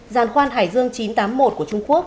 giàn khoan hải dương chín trăm tám mươi một của trung quốc